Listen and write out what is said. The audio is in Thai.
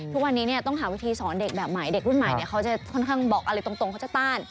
ทุกวันนี้ต้องหาวิธีสอนเด็กแบบใหม่เด็กรุ่นใหม่เขาจะค่อนข้างบอกอะไรตรงเขาจะต้าน